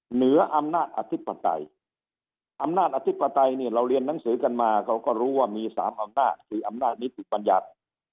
เหนืออำนาจอธิปไตยอำนาจอธิปไตยเนี่ยเราเรียนหนังสือกันมาเขาก็รู้ว่ามี๓อำนาจคืออำนาจนิติบัญญัติ